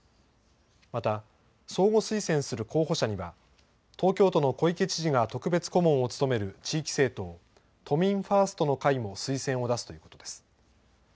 また、相互推薦する候補者には、東京都の小池知事が特別顧問を務める地域政党、都民ファーストの会も推薦を出すということです。